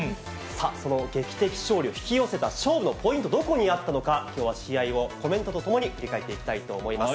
その劇的勝利を引き寄せた勝負のポイント、どこにあったのか、きょうは試合をコメントとともに振り返っていきたいと思います。